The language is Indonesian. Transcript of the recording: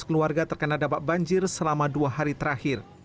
tiga belas keluarga terkena dampak banjir selama dua hari terakhir